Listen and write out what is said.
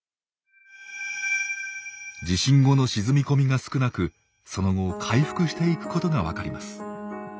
地震後の沈み込みが少なくその後回復していくことが分かります。